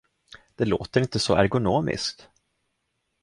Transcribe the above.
Det låter inte så ergonomiskt?